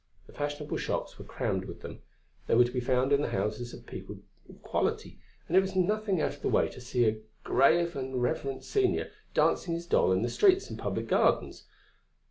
The fashionable shops were crammed with them; they were to be found in the houses of people of quality, and it was nothing out of the way to see a grave and reverend senior dancing his doll in the streets and public gardens.